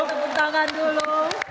tepuk tangan dulu